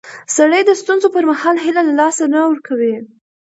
سړی د ستونزو پر مهال هیله له لاسه نه ورکوي